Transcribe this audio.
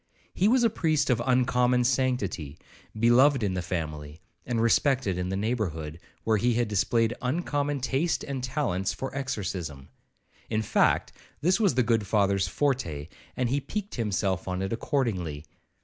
He was a priest of uncommon sanctity, beloved in the family, and respected in the neighbourhood, where he had displayed uncommon taste and talents for exorcism;—in fact, this was the good Father's forte, and he piqued himself on it accordingly.